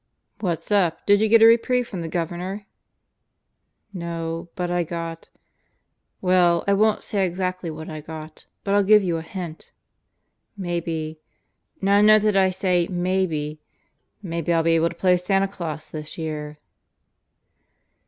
"What's up? Did you get a reprieve from the Governor?" "No, but I got ... Well, I won't say exactly what I got; but I'll give you a hint. Maybe ... Now note that I say 'Maybe' ... Maybe I'll be able to play Santa Claus this year."